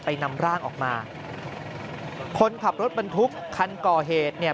นำร่างออกมาคนขับรถบรรทุกคันก่อเหตุเนี่ย